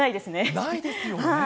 ないですよね。